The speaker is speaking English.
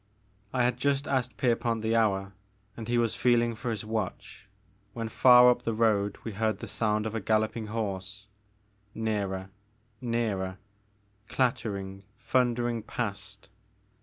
I had just asked Pierpont the hour, and he was feeling for his watch when far up the road we heard the sound of a galloping horse, nearer, nearer, clattering, thundering past.